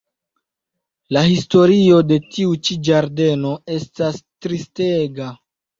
La historio de tiu ĉi ĝardeno estas tristega.